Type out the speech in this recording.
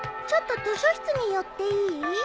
ちょっと図書室に寄っていい？